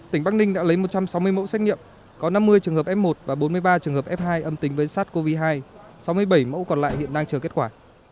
tỉnh bắc ninh đã lấy một trăm sáu mươi mẫu xét nghiệm có năm mươi trường hợp f một và bốn mươi ba trường hợp f hai âm tính với sars cov hai sáu mươi bảy mẫu còn lại hiện đang chờ kết quả